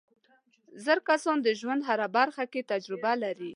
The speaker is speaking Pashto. زاړه کسان د ژوند په هره برخه کې تجربه لري